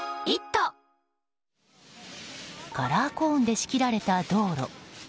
カラーコーンで仕切られた道路。